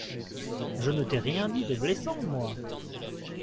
Je ne t'ai rien dit de blessant, moi.